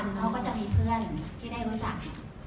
เขาก็จะมีเพื่อนที่ได้รู้จัก